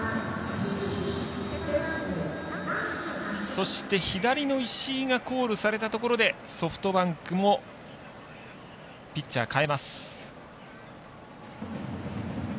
そして、左の石井がコールされたところでソフトバンクもピッチャー代えます。